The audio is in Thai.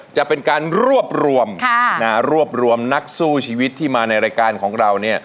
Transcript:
จะเป็นการรวบรวมรวบรวมนักสู้ชีวิตที่มาในรายการของเราเนี่ย